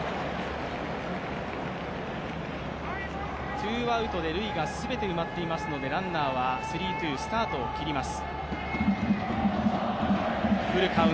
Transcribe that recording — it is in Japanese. ツーアウトで塁が全て埋まっていますのでランナーはスリーツー、スタートを切ります。